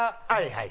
はい。